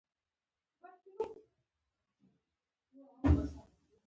کرنه د اقلیم د بدلون سره تطابق ته اړتیا لري.